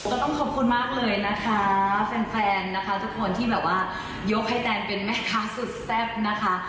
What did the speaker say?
ต้องขอบคุณมากเลยนะคะแฟนนะคะทุกคนที่แบบว่ายกให้แตนเป็นแม่ค้าสุดแซ่บนะคะ